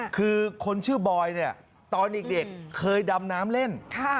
คือคนชื่อบอยเนี่ยตอนเด็กเคยดำน้ำเล่น